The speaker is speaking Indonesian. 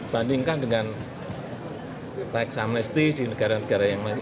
bandingkan dengan teks amnesti di negara negara yang lain